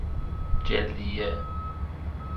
جلدیه